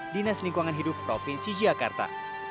dinas lingkungan hidup provinsi jakarta